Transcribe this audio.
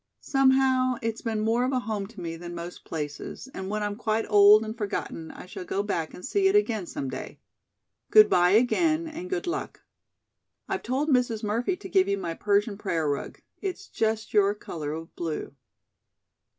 Somehow, it's been more of a home to me than most places, and when I'm quite old and forgotten I shall go back and see it again some day. Good bye again, and good luck. I've told Mrs. Murphy to give you my Persian prayer rug. It's just your color of blue.